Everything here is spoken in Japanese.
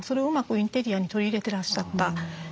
インテリアに取り入れてらっしゃった。